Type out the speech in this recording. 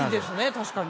確かに。